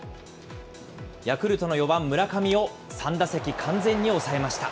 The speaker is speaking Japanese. ヤクルトの４番村上を、３打席、完全に抑えました。